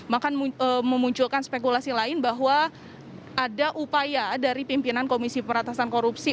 bahkan memunculkan spekulasi lain bahwa ada upaya dari pimpinan komisi peratasan korupsi